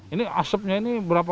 ini asapnya ini berantakan